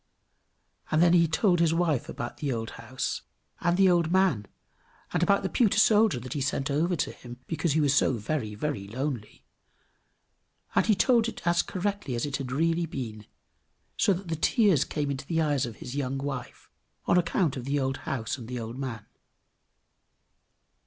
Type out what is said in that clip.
And then he told his wife about the old house, and the old man, and about the pewter soldier that he sent over to him because he was so very, very lonely; and he told it as correctly as it had really been, so that the tears came into the eyes of his young wife, on account of the old house and the old man.